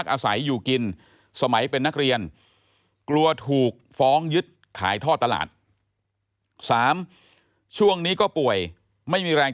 ยาท่าน้ำขาวไทยนครเพราะทุกการเดินทางของคุณจะมีแต่รอยยิ้ม